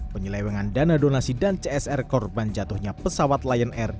penyelewengan dana donasi dan csr korban jatuhnya pesawat lion air